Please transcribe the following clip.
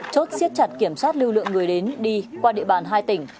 chốt siết chặt kiểm soát lưu lượng người đến đi qua địa bàn hai tỉnh